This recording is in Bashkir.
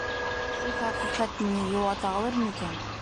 Ошо хәҡиҡәт мине йыуата алыр микән?